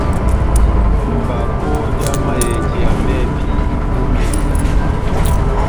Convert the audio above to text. Mbakó já mayɛjiya mɛ́hɛ́pi ipumindi.